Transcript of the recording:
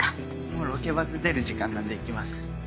もうロケバス出る時間なんで行きます。